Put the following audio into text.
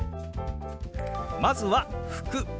まずは「服」。